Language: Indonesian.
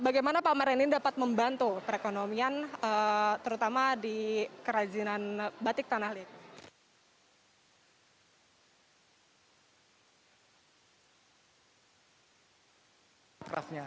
bagaimana pameran ini dapat membantu perekonomian terutama di kerajinan batik tanalie